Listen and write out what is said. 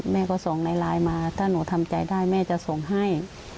แม่ก็ส่งในไลน์มาถ้าหนูทำใจได้แม่จะส่งให้